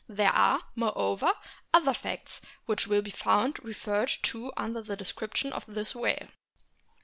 There are, moreover, other facts which will be found referred to under the description of this whale.